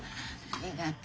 ありがと。